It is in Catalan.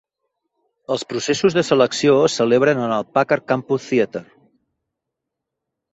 Els processos de selecció es celebren en el Packard Campus Theater.